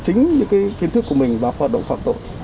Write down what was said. chính những kiến thức của mình và hoạt động phạm tội